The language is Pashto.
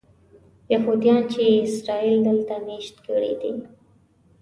یهودیان چې اسرائیل دلته مېشت کړي دي.